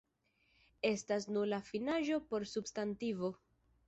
Estas nula finaĵo por substantivo.